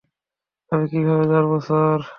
আমি কিভাবে জানবো, স্যার?